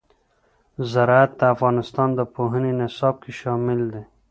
زراعت د افغانستان د پوهنې نصاب کې شامل دي.